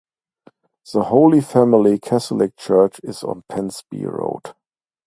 The Holy Family Catholic Church is on Pensby Road.